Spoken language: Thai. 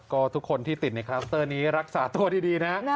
ก็ทุกคนที่ติดในคลัสเตอร์นี้รักษาตัวดีนะ